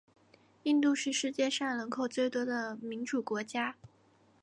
印度是世界上人口最多的民主国家。